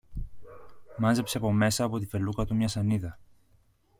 Μάζεψε από μέσα από τη φελούκα του μια σανίδα